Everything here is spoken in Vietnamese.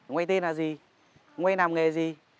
ngoài tên là gì ngoài làm nghề là gì